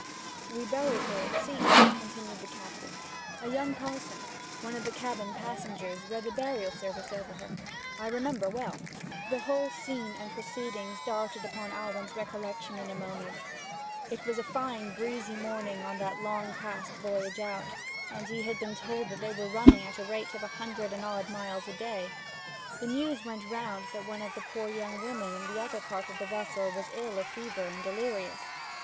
'We buried her at sea,' continued the captain. 'A young parson, one of the cabin passengers, read the burial service over her, I remember well.' The whole scene and proceedings darted upon Alwyn's recollection in a moment. It was a fine breezy morning on that long past voyage out, and he had been told that they were running at the rate of a hundred and odd miles a day. The news went round that one of the poor young women in the other part of the vessel was ill of fever, and delirious.